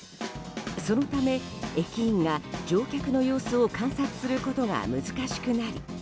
そのため、駅員が乗客の様子を観察することが難しくなり